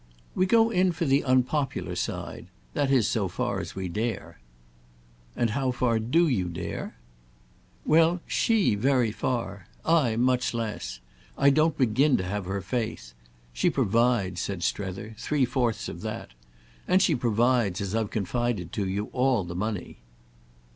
"We go in for the unpopular side—that is so far as we dare." "And how far do you dare?" "Well, she very far. I much less. I don't begin to have her faith. She provides," said Strether, "three fourths of that. And she provides, as I've confided to you, all the money."